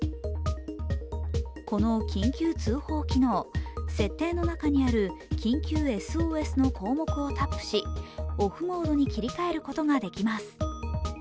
この緊急通報機能、設定の中にある緊急ＳＯＳの項目をタップしオフモードに切り替えることができます。